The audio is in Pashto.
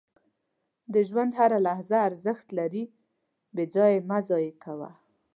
• د ژوند هره لحظه ارزښت لري، بې ځایه یې مه ضایع کوه.